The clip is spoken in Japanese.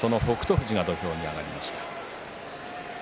富士が土俵に上がりました。